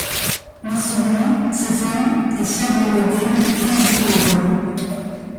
Marsebilie, sa femme, est sœur de Rudel, comte de Périgord.